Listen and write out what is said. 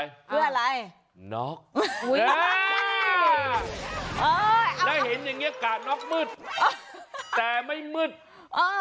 เพื่ออะไรน็อกอุ้ยแล้วเห็นอย่างเงี้กาดน็อกมืดแต่ไม่มืดเออ